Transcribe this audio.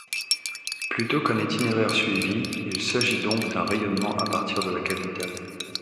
Plutôt qu'un itinéraire suivi, il s'agit donc d'un rayonnement à partir de la capitale.